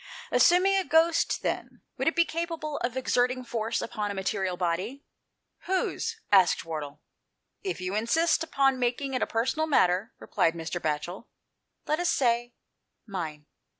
"Assuming a ghost, then, would it be capable of exerting force upon a material body? "" Whose ?" asked Wardle. " If you [insist upon making it a personal matter," replied Mr. Batchel, " let us say mine."